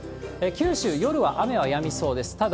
九州、夜は雨はやみそうです。